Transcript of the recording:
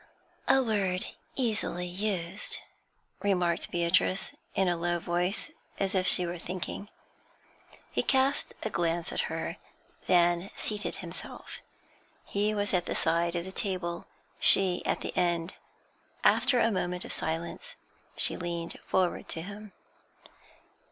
"' 'A word easily used,' remarked Beatrice, in a low' voice, as if she were thinking. He cast a glance at her, then seated himself. He was at the side of the table, she at the end. After a moment of silence, she leaned forward to him.